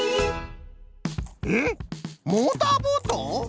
ええっモーターボート！？